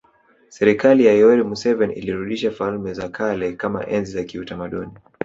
Serikali ya Yoweri Museveni ilirudisha falme za kale kama enzi za kiutamaduni